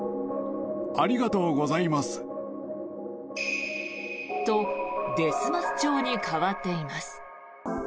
ありがとうございます！と、ですます調に変わっています。